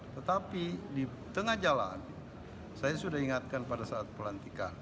tetapi di tengah jalan saya sudah ingatkan pada saat pelantikan